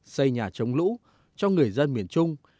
xây nhà chống lũ cho người dân miền trung